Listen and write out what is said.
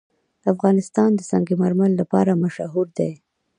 افغانستان د سنگ مرمر لپاره مشهور دی.